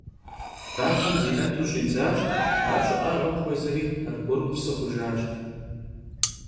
Baxhem zi'etu ş'idzaş, ar ş'ı'ağem xuezeri argueru psı xhujjaş.